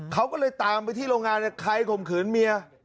เขาก็เลยตามไปที่โรงงานใครข่มขืนเมีย